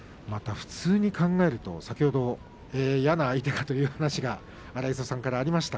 普通に考えると嫌な相手だという話が荒磯さんからありました。